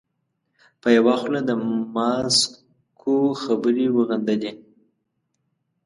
په یوه خوله د ماسکو خبرې وغندلې.